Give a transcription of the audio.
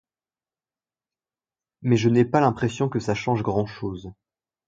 Mais je n’ai pas l’impression que ça change grand-chose.